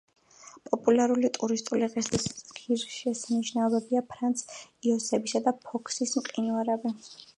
პოპულარული ტურისტული ღირსშესანიშნაობებია ფრანც იოსებისა და ფოქსის მყინვარები.